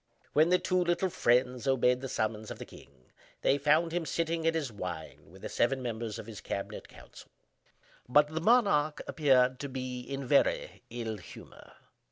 When the two little friends obeyed the summons of the king they found him sitting at his wine with the seven members of his cabinet council; but the monarch appeared to be in a very ill humor.